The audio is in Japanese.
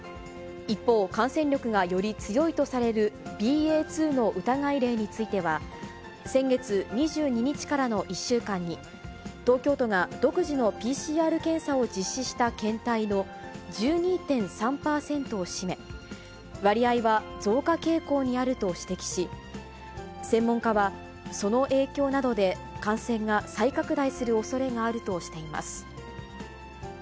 一方、感染力がより強いとされるＢＡ．２の疑い例については、先月２２日からの１週間に、東京都が独自のＰＣＲ検査を実施した検体の１２．３％を占め、割合は増加傾向にあると指摘し、専門家は、その影響などで感染が再拡大するおそれがあるとしています。